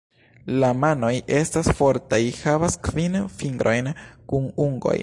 La manoj estas fortaj, havas kvin fingrojn kun ungoj.